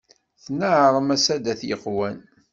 Tneɛrem a saddat yeqqwan.